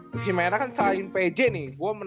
divisi merah kan selain pj nih